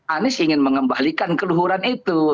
anies ingin mengembalikan keluhuran itu